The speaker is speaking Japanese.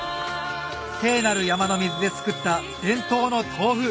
聖なる山の水で作った伝統の豆腐！